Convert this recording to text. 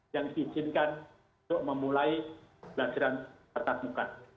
yang diizinkan untuk memulai pelajaran tetap muka